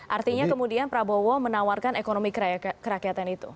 artinya kemudian prabowo menawarkan ekonomi kerakyatan itu